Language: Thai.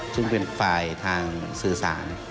ซึ่งเป็นฝ่ายทางสื่อสาร